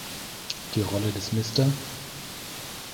Die Rolle des "Mr.